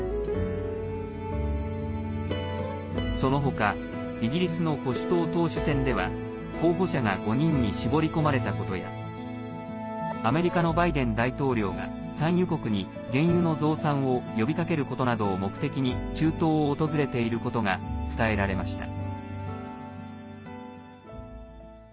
そのほかイギリスの保守党党首選では候補者が５人に絞り込まれたことやアメリカのバイデン大統領が産油国に原油の増産を呼びかけることなどを目的に中東を訪れていることが伝えられました。